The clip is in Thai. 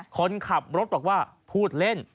คนขับรถบอกว่าพูดเล่น